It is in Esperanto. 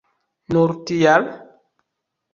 Nur tial?